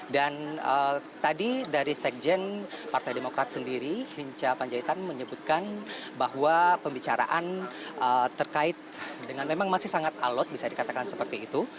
dan tadi dari sekjen partai demokrat sendiri hinca panjaitan menyebutkan bahwa pembicaraan terkait dengan memang masih sangat alot bisa dikatakan seperti itu